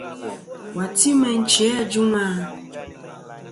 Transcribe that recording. Wà ti meyn chi ajûŋ a?